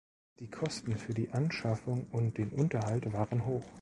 Die Kosten für die Anschaffung und den Unterhalt waren hoch.